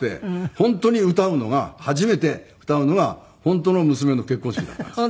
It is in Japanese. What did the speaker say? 本当に歌うのが初めて歌うのが本当の娘の結婚式だったんですよ。